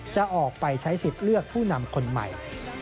จะออกไปใช้สิทธิ์เลือกผู้นำคนใหม่